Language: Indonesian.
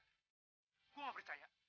gue gak percaya